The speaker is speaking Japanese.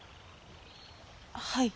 はい。